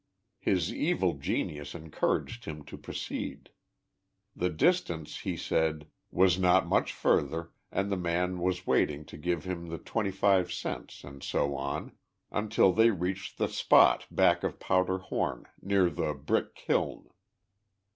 His evil genius encouraged him to proceed. The distance, he said, was not much further and the man was waiting to give him the 25 cents, and so on, until they reached the spot back of Powder Horn, near the brick kiln.